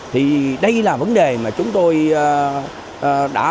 thì đây là vấn đề mà chúng tôi đã